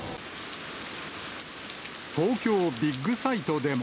東京ビッグサイトでも。